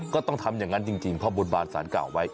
ก็ต้องทำอย่างนั้นจริงเพราะบนบานสารเก่าไว้